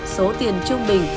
số tiền trung bình